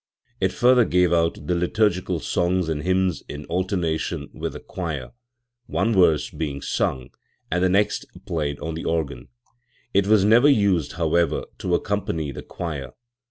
It further gave out the liturgical songs and hymns in alternation with the choir, one verse being sung and the next played on the organ. It was never used, however, to accompany the choir.